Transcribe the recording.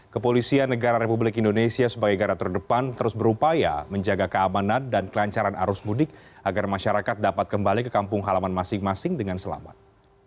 kepolisian negara republik indonesia sebagai gara terdepan terus berupaya menjaga keamanan dan kelancaran arus mudik agar masyarakat dapat kembali ke kampung halaman masing masing dengan selamat